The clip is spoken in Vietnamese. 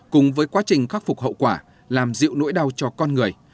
cùng với quá trình khắc phục hậu quả làm dịu nỗi đau cho con người